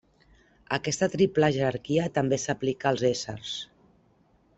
Aquesta triple jerarquia també s'aplica als éssers.